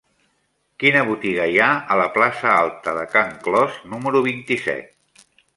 Quina botiga hi ha a la plaça Alta de Can Clos número vint-i-set?